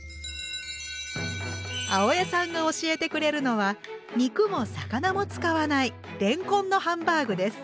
青江さんが教えてくれるのは肉も魚も使わないれんこんのハンバーグです。